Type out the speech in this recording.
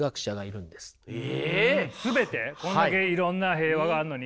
こんだけいろんな平和があるのに。